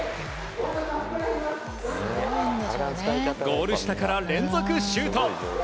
ゴール下から連続シュート。